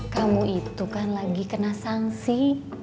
kamu itu kan lagi kena sanksi